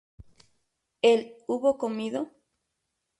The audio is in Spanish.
¿él hubo comido?